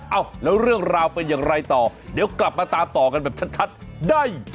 เอ้าแล้วเรื่องราวเป็นอย่างไรต่อเดี๋ยวกลับมาตามต่อกันแบบชัดได้